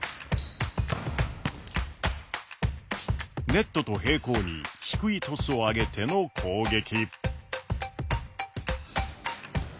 ネットと平行に低いトスを上げての攻撃。